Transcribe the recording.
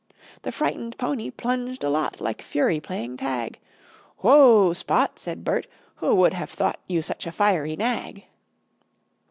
The frightened pony plunged a lot, Like Fury playing tag. "Whoa, Spot!" said Burt. "Who would have thought You such a fiery nag!"